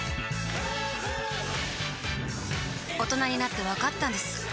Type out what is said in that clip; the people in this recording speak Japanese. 大人になってわかったんです